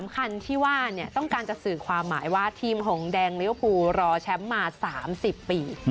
คันที่ว่าต้องการจะสื่อความหมายว่าทีมหงแดงลิเวอร์ภูรอแชมป์มา๓๐ปี